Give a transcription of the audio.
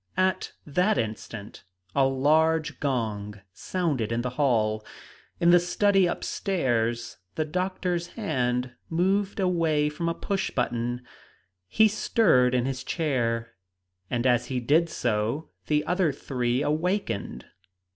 At that instant a large gong sounded in the hall. In the study up stairs, the doctor's hand moved away from a pushbutton. He stirred in his chair; and as he did so, the other three awakened.